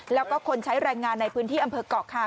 แล้วก็คนใช้แรงงานในพื้นที่อำเภอกเกาะคา